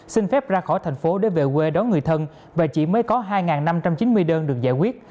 xin phép ra khỏi thành phố để về quê đón người thân và chỉ mới có hai năm trăm chín mươi đơn được giải quyết